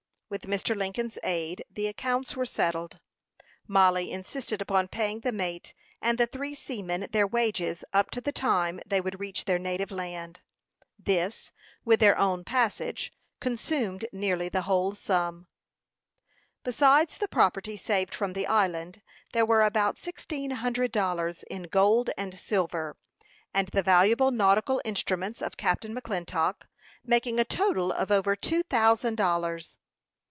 With Mr. Lincoln's aid the accounts were settled. Mollie insisted upon paying the mate and the three seamen their wages up to the time they would reach their native land. This, with their own passage, consumed nearly the whole sum. Besides the property saved from the island, there were about sixteen hundred dollars in gold and silver, and the valuable nautical instruments of Captain McClintock, making a total of over two thousand dollars.